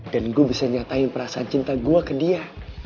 dan gue bisa nyatain perasaan cinta gue ke dia